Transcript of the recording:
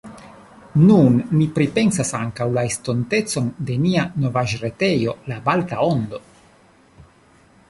Nun ni pripensas ankaŭ la estontecon de nia novaĵretejo La Balta Ondo.